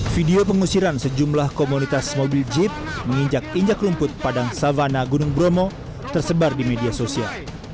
video pengusiran sejumlah komunitas mobil jeep menginjak injak rumput padang savana gunung bromo tersebar di media sosial